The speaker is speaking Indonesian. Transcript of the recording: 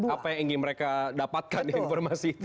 apa yang ingin mereka dapatkan informasi